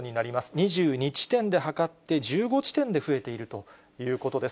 ２２地点で測って、１５地点で増えているということです。